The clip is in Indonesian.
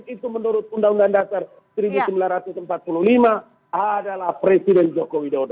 itu menurut undang undang dasar seribu sembilan ratus empat puluh lima adalah presiden joko widodo